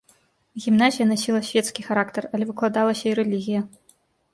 Гімназія насіла свецкі характар, але выкладалася і рэлігія.